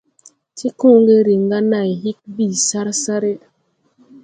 Tikooge riŋ ga nãy hig ɓi sar sare.